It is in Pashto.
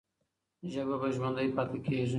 ژبه به ژوندۍ پاتې کېږي.